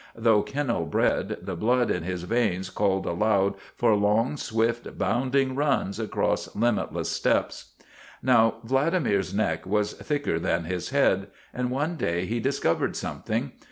Though kennel bred, the blood in his veins called aloud for long, swift, bounding runs across limitless steppes. Now Vladimir's neck was thicker than his head, and one day he discovered something.